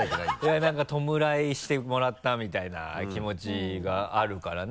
いや何か弔いしてもらったみたいな気持ちがあるからね。